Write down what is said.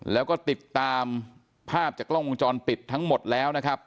แล้วก็ติดตามภาพจากกล้องวงจรปิดทั้งหมดแล้วนะครับ